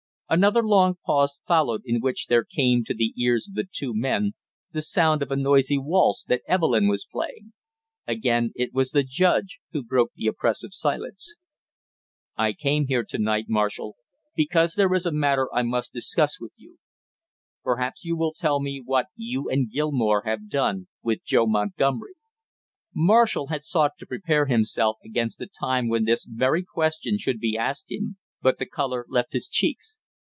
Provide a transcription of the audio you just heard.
Another long pause followed in which there came to the ears of the two men the sound of a noisy waltz that Evelyn was playing. Again it was the judge who broke the oppressive silence. "I came here to night, Marshall, because there is a matter I must discuss with you. Perhaps you will tell me what you and Gilmore have done with Joe Montgomery?" Marshall had sought to prepare himself against the time when this very question should be asked him, but the color left his cheeks.